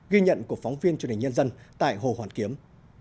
ghi nhận của phóng viên truyền hình nhân dân tại hồ hoàn kiếm